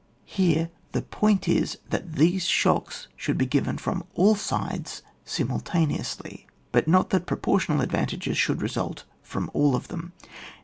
Here the point is that these shocks should be given horn all sides simultaneously, but not that pro portional advantages should result from all of them.